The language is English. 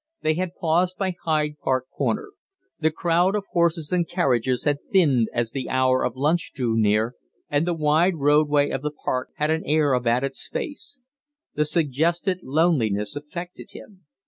They had paused by Hyde Park corner. The crowd of horses and carriages had thinned as the hour of lunch drew near, and the wide roadway of the park had an air of added space. The suggested loneliness affected him.